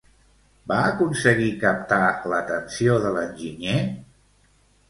Va aconseguir captar l'atenció de l'enginyer?